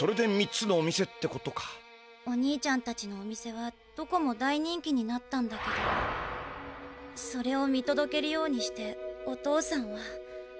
お兄ちゃんたちのお店はどこも大人気になったんだけどそれを見とどけるようにしてお父さんは。